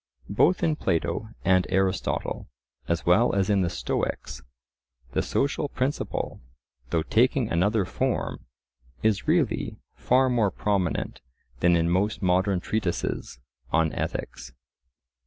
Both in Plato and Aristotle, as well as in the Stoics, the social principle, though taking another form, is really far more prominent than in most modern treatises on ethics.